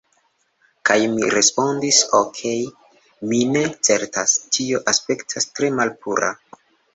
Kaj mi respondis, "Okej mi ne certas... tio aspektas tre malpura..."